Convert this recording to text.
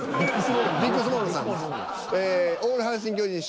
ビックスモールンさんです。